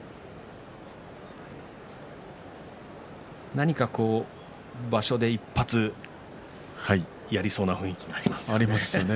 何か場所で一発やりそうな雰囲気がありますね。